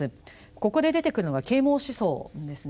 ここで出てくるのが啓蒙思想ですね。